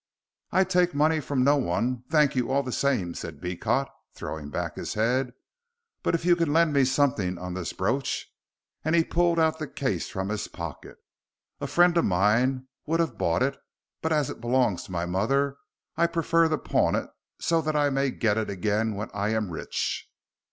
"I take money from no one, thank you all the same," said Beecot, throwing back his head, "but if you can lend me something on this brooch," and he pulled out the case from his pocket. "A friend of mine would have bought it, but as it belongs to my mother I prefer to pawn it so that I may get it again when I am rich."